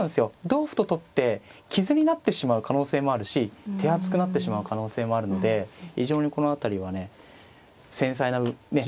同歩と取って傷になってしまう可能性もあるし手厚くなってしまう可能性もあるので非常にこの辺りはね繊細なね